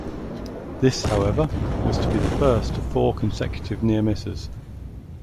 This, however, was to be the first of four consecutive near-misses.